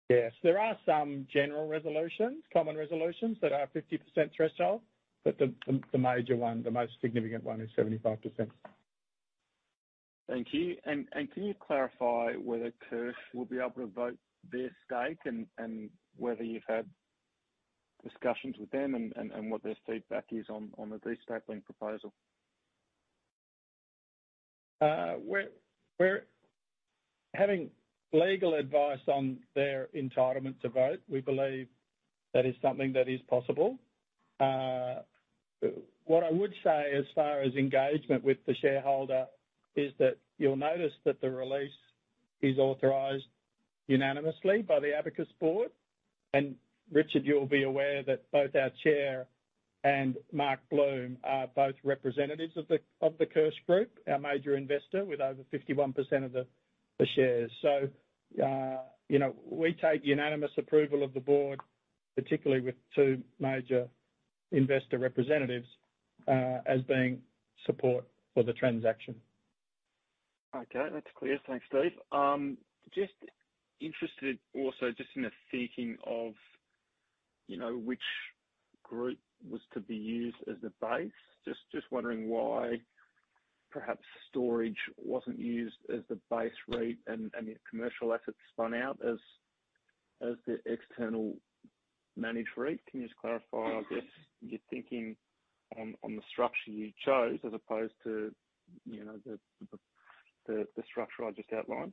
Yes. There are some general resolutions, common resolutions that are 50% threshold, but the major one, the most significant one is 75%. Thank you. Can you clarify whether Kirsh will be able to vote their stake and whether you've had discussions with them and what their feedback is on the de-stapling proposal? We're having legal advice on their entitlement to vote. We believe that is something that is possible. What I would say as far as engagement with the shareholder is that you'll notice that the release is authorized unanimously by the Abacus board. Richard, you'll be aware that both our chair and Mark Bloom are both representatives of the Kirsh Group, our major investor, with over 51% of the shares. You know, we take unanimous approval of the board, particularly with two major investor representatives, as being support for the transaction. Okay. That's clear. Thanks, Steve. just interested also just in the thinking of, you know, which group was to be used as the base. Just wondering why perhaps storage wasn't used as the base REIT and the commercial assets spun out as the external managed REIT. Can you just clarify, I guess, your thinking on the structure you chose as opposed to, you know, the structure I just outlined?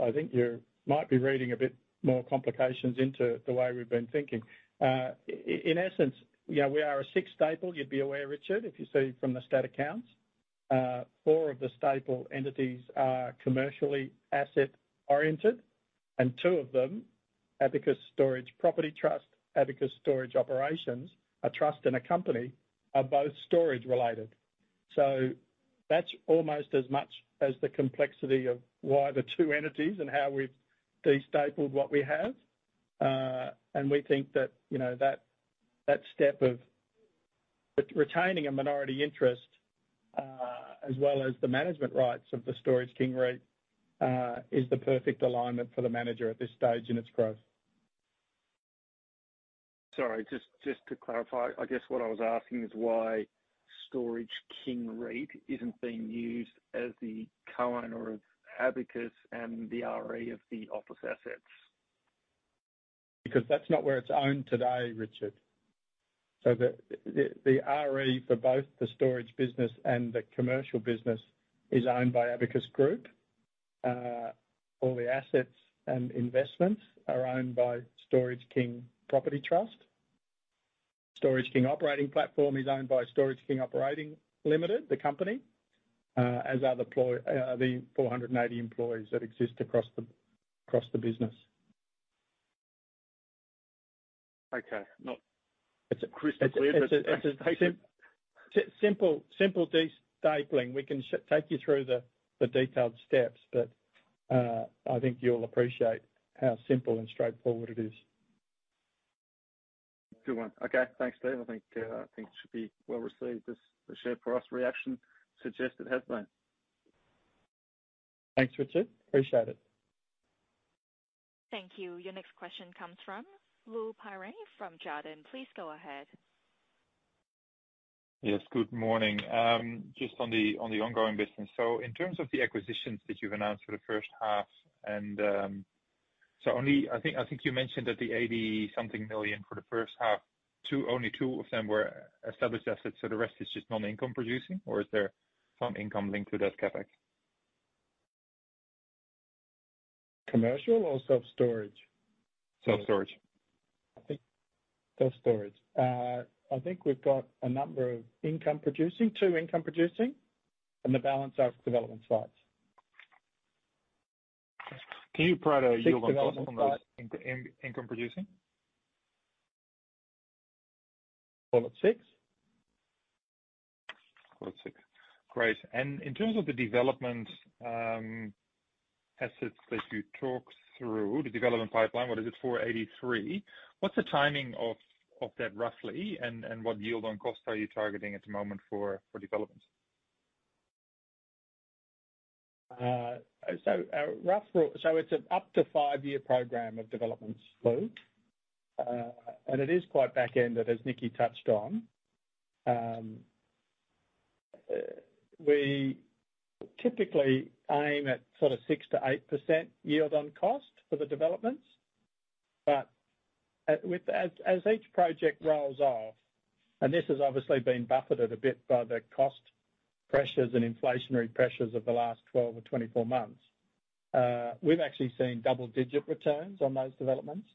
I think you might be reading a bit more complications into the way we've been thinking. In essence, yeah, we are a six staple. You'd be aware, Richard, if you see from the stat accounts. Four of the staple entities are commercially asset oriented, and two of them, Abacus Storage Property Trust, Abacus Storage Operations, a trust and a company, are both storage related. That's almost as much as the complexity of why the two entities and how we've de-stapled what we have. And we think that, you know, that step of retaining a minority interest, as well as the management rights of the Storage King REIT, is the perfect alignment for the manager at this stage in its growth. Sorry, just to clarify, I guess what I was asking is why Abacus Storage King isn't being used as the co-owner of Abacus and the RE of the office assets. Because that's not where it's owned today, Richard. The RE for both the storage business and the commercial business is owned by Abacus Group. All the assets and investments are owned by Storage King Property Trust. Storage King Operating Platform is owned by Storage King Operating Limited, the company, as are the 480 employees that exist across the business. Okay. It's simple de-stapling. We can take you through the detailed steps. I think you'll appreciate how simple and straightforward it is. Good one. Okay. Thanks, Steve. I think, I think it should be well received as the share price reaction suggested has been. Thanks, Richard. Appreciate it. Thank you. Your next question comes from Lou Pirenc from Jarden. Please go ahead. Good morning. just on the ongoing business. In terms of the acquisitions that you've announced for the first half, and only I think you mentioned that the 80 something million for the first half, only two of them were established assets, so the rest is just non-income producing? Or is there some income linked to that CapEx? Commercial or self-storage? Self-storage. I think self-storage. I think we've got a number of income producing, two income producing, and the balance are development sites. Can you provide a yield on cost on those income producing? Call it six. Call it six. Great. In terms of the development assets that you talked through, the development pipeline, what is it, 483? What's the timing of that, roughly? What yield on cost are you targeting at the moment for development? Rough rule. It's an up to five-year program of development, Lou. And it is quite back-ended, as Nikki touched on. We typically aim at sort of 6%-8% yield on cost for the developments. With that, as each project rolls off, and this has obviously been buffeted a bit by the cost pressures and inflationary pressures of the last 12 or 24 months, we've actually seen double-digit returns on those developments.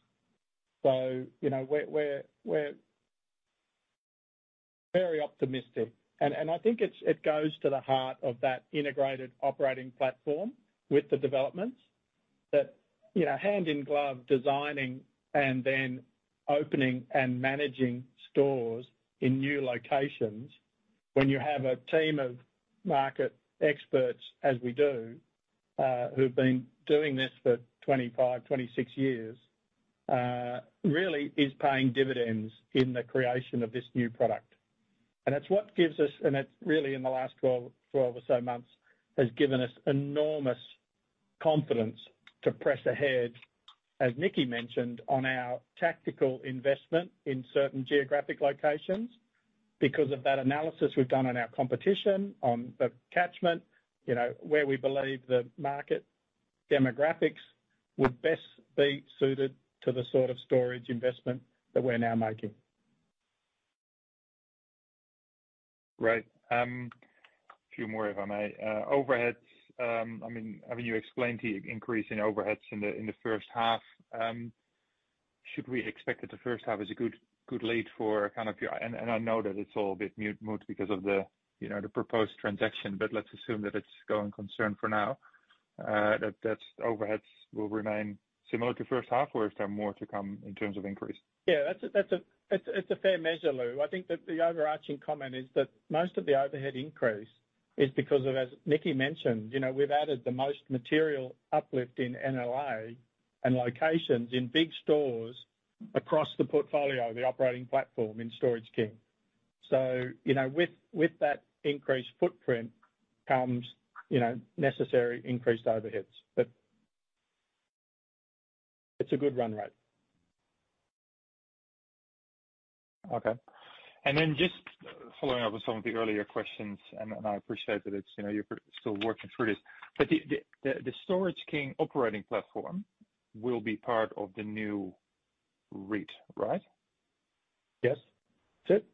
You know, we're very optimistic and I think it's, it goes to the heart of that integrated operating platform with the developments that, you know, hand in glove designing and then opening and managing stores in new locations when you have a team of market experts, as we do, who've been doing this for 25, 26 years, really is paying dividends in the creation of this new product. It's what gives us, and it's really in the last 12 or so months, has given us enormous confidence to press ahead, as Nikki mentioned, on our tactical investment in certain geographic locations because of that analysis we've done on our competition, on the catchment, you know, where we believe the market demographics would best be suited to the sort of storage investment that we're now making. Great. A few more, if I may. Overheads. I mean, you explained the increase in overheads in the first half. Should we expect that the first half is a good lead for kind of your and I know that it's all a bit moot because of the, you know, the proposed transaction, but let's assume that it's going concern for now, that overheads will remain similar to first half, or is there more to come in terms of increase? Yeah, that's a, it's a fair measure, Lou. I think that the overarching comment is that most of the overhead increase is because of, as Nikki mentioned, you know, we've added the most material uplift in NLA and locations in big stores across the portfolio, the operating platform in Storage King. You know, with that increased footprint comes, you know, necessary increased overheads. It's a good run, right. Okay. Then just following up on some of the earlier questions, and I appreciate that it's, you know, you're still working through this. The, the Storage King operating platform will be part of the new REIT, right? Yes. That's it.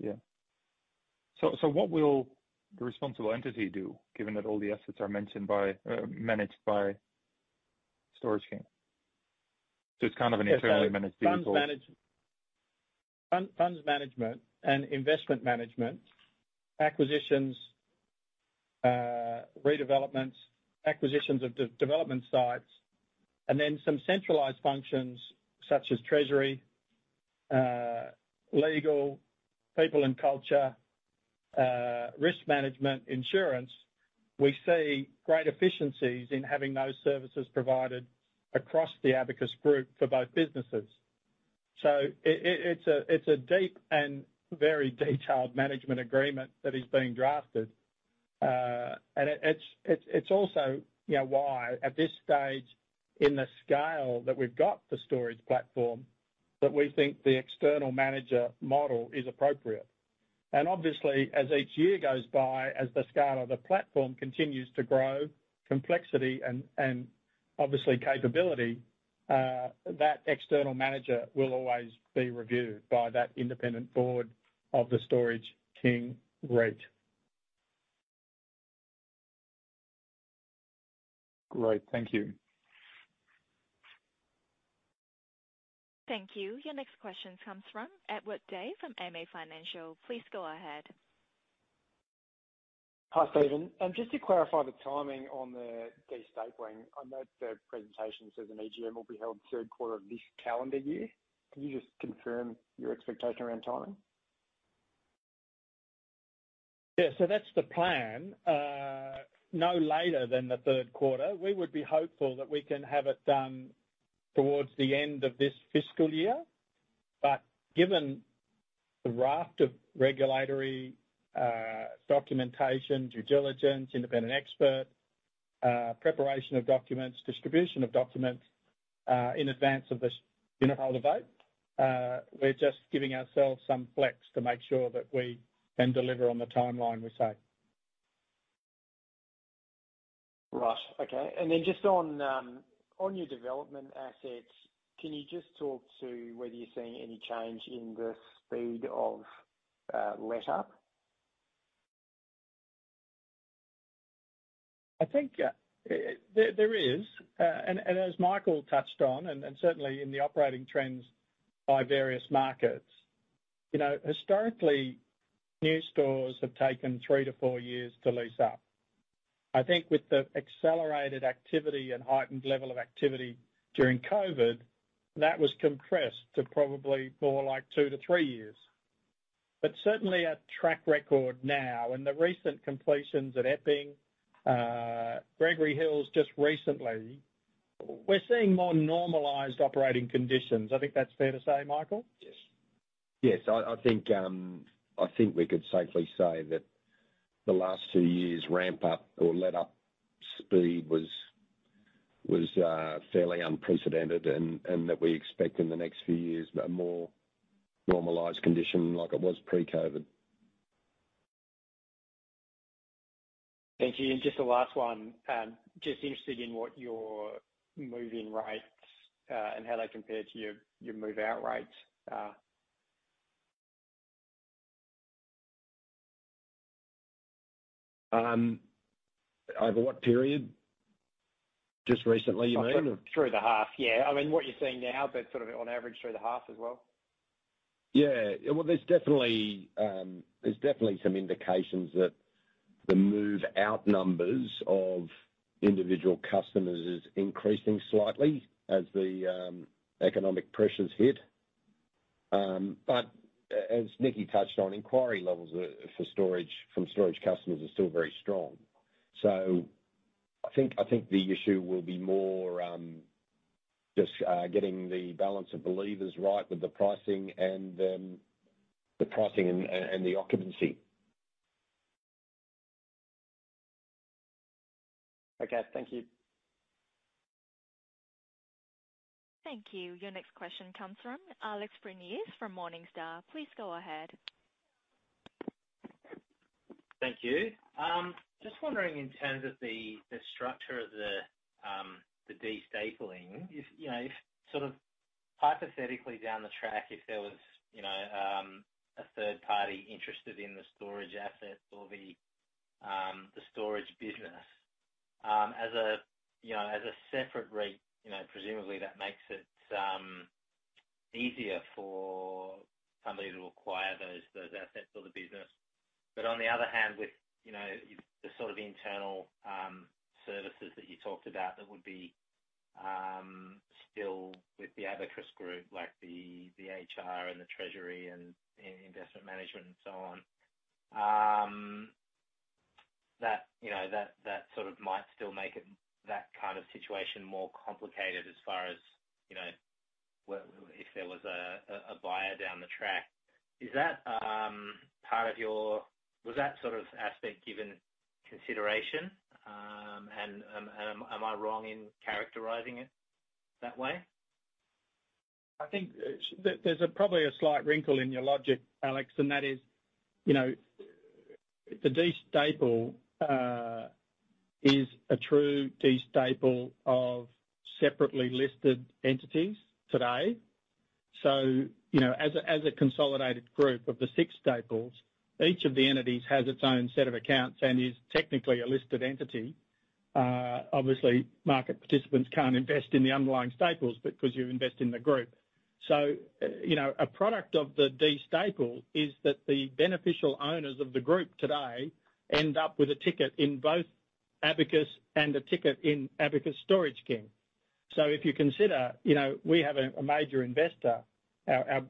Yeah. What will the responsible entity do, given that all the assets are managed by Storage King? It's kind of an internally managed vehicle. Funds management, funds management and investment management, acquisitions, redevelopments, acquisitions of de-development sites, and then some centralized functions such as treasury, legal, people and culture, risk management, insurance. We see great efficiencies in having those services provided across the Abacus Group for both businesses. It's a deep and very detailed management agreement that is being drafted. It's also, you know, why at this stage in the scale that we've got the storage platform, that we think the external manager model is appropriate. Obviously as each year goes by, as the scale of the platform continues to grow complexity and obviously capability, that external manager will always be reviewed by that independent board of the Abacus Storage King. Great. Thank you. Thank you. Your next question comes from Edward Day from MA Financial. Please go ahead. Hi, Steven. Just to clarify the timing on the de-stapling, I know that the presentation says an AGM will be held Q3 of this calendar year. Can you just confirm your expectation around timing? That's the plan. No later than the Q3. We would be hopeful that we can have it done towards the end of this fiscal year. Given the raft of regulatory documentation, due diligence, independent expert preparation of documents, distribution of documents in advance of this unitholder vote, we're just giving ourselves some flex to make sure that we can deliver on the timeline we say. Right. Okay. just on your development assets, can you just talk to whether you're seeing any change in the speed of, letup? I think there is. As Michael touched on, and certainly in the operating trends by various markets. You know, historically, new stores have taken three to four years to lease up. I think with the accelerated activity and heightened level of activity during COVID, that was compressed to probably more like two to three years. Certainly our track record now in the recent completions at Epping, Gregory Hills just recently, we're seeing more normalized operating conditions. I think that's fair to say, Michael? Yes. I think we could safely say that the last two years ramp up or letup speed was fairly unprecedented and that we expect in the next few years a more normalized condition like it was pre-COVID. Thank you. Just a last one. Just interested in what your move-in rates, and how they compare to your move-out rates are? Over what period? Just recently you mean? Through the half, yeah. I mean, what you're seeing now, but sort of on average through the half as well. Well, there's definitely some indications that the move-out numbers of individual customers is increasing slightly as the economic pressures hit. As Nikki touched on, inquiry levels for storage from storage customers are still very strong. I think the issue will be more just getting the balance of believers right with the pricing and the pricing and the occupancy. Okay. Thank you. Thank you. Your next question comes from Alex Prineas from Morningstar. Please go ahead. Thank you. Just wondering in terms of the structure of the de-stapling. If, you know, if sort of hypothetically down the track, if there was, you know, a third party interested in the storage assets or the storage business, as a, you know, as a separate REIT, you know, presumably that makes it easier for somebody to acquire those assets or the business. On the other hand, with, you know, the sort of internal services that you talked about that would be still with the Abacus Group, like the HR and the treasury and investment management and so on, that, you know, that sort of might still make it, that kind of situation more complicated as far as, you know, if there was a buyer down the track. Is that, was that sort of aspect given consideration? Am I wrong in characterizing it that way? I think there's probably a slight wrinkle in your logic, Alex. That is, you know, the de-staple is a true de-staple of separately listed entities today. You know, as a consolidated group of the six staples, each of the entities has its own set of accounts and is technically a listed entity. Obviously, market participants can't invest in the underlying staples because you invest in the group. You know, a product of the de-staple is that the beneficial owners of the group today end up with a ticket in both Abacus and a ticket in Abacus Storage King. If you consider, you know, we have a major investor. Our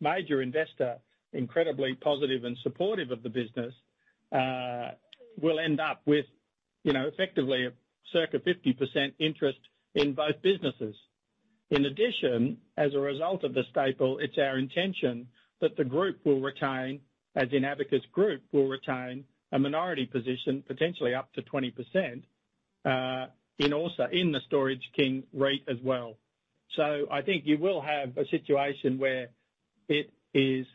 major investor, incredibly positive and supportive of the business, will end up with, you know, effectively circa 50% interest in both businesses. In addition, as a result of the staple, it's our intention that the group will retain, as in Abacus Group, will retain a minority position, potentially up to 20%, in also, in the Abacus Storage King as well. I think you will have a situation where it is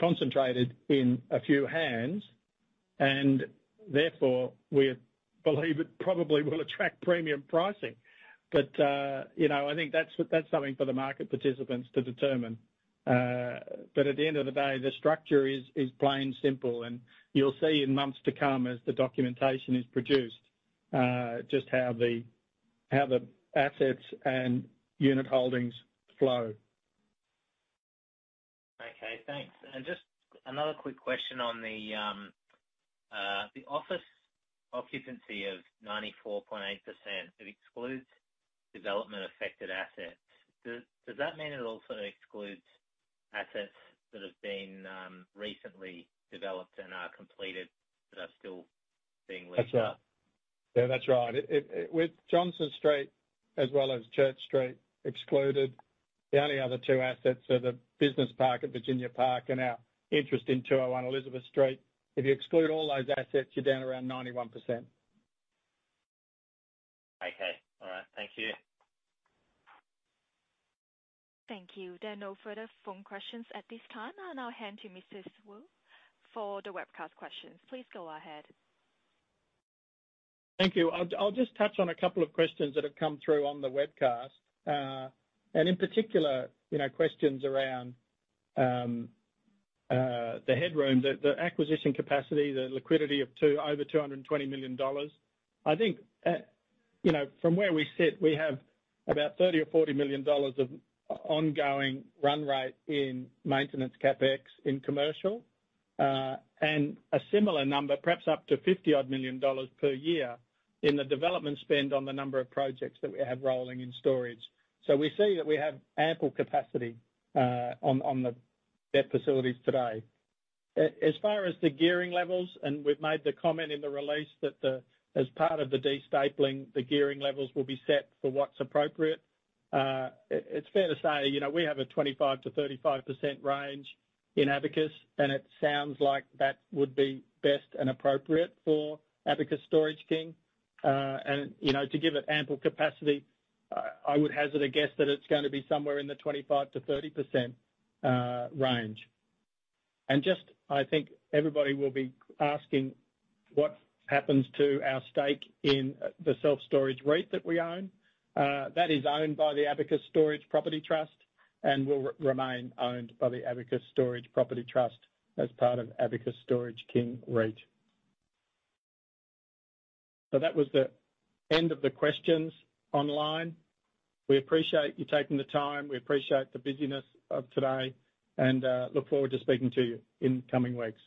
concentrated in a few hands, and therefore, we believe it probably will attract premium pricing. you know, I think that's something for the market participants to determine. At the end of the day, the structure is plain simple, and you'll see in months to come as the documentation is produced, just how the, how the assets and unit holdings flow. Okay, thanks. Just another quick question on the office occupancy of 94.8%, it excludes development-affected assets. Does that mean it also excludes assets that have been recently developed and are completed but are still being leased up? That's right. Yeah, that's right. With Johnston Street as well as Church Street excluded, the only other two assets are the Business Park at Virginia Park and our interest in 201 Elizabeth Street. If you exclude all those assets, you're down around 91%. Okay. All right. Thank you. Thank you. There are no further phone questions at this time. I'll now hand to Steven Sewell for the webcast questions. Please go ahead. Thank you. I'll just touch on a couple of questions that have come through on the webcast, and in particular, you know, questions around the headroom, the acquisition capacity, the liquidity of over 220 million dollars. I think, you know, from where we sit, we have about 30 million-40 million dollars of ongoing run rate in maintenance CapEx in commercial, and a similar number, perhaps up to 50 million dollars per year in the development spend on the number of projects that we have rolling in storage. We see that we have ample capacity on the debt facilities today. As far as the gearing levels, and we've made the comment in the release that the, as part of the de-stapling, the gearing levels will be set for what's appropriate. It's fair to say, you know, we have a 25%-35% range in Abacus, and it sounds like that would be best and appropriate for Abacus Storage King. You know, to give it ample capacity, I would hazard a guess that it's gonna be somewhere in the 25%-30% range. Just, I think everybody will be asking what happens to our stake in the self-storage REIT that we own. That is owned by the Abacus Storage Property Trust and will remain owned by the Abacus Storage Property Trust as part of Abacus Storage King. That was the end of the questions online. We appreciate you taking the time. We appreciate the busyness of today, look forward to speaking to you in the coming weeks.